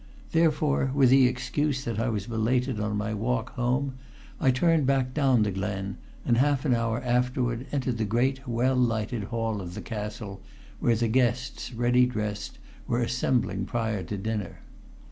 Therefore, with the excuse that I was belated on my walk home, I turned back down the glen, and half an hour afterward entered the great well lighted hall of the castle where the guests, ready dressed, were assembling prior to dinner.